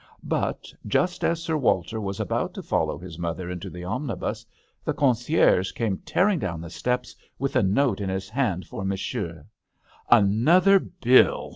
But just as Sir Walter was about to follow his mother into the omnibus the concierge came tearing down the steps with a note in his hand for Mon sieur " Another bill